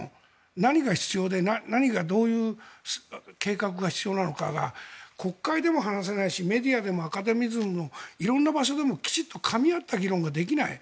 何が必要で何がどういう計画が必要なのかが国会でも話せないしメディアでもアカデミズムでも色んなところできちんとかみ合った議論ができない。